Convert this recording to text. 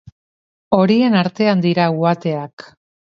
Horien artean dira uhateak.